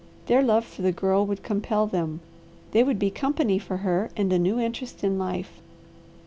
Their love for the Girl would compel them. They would be company for her and a new interest in life.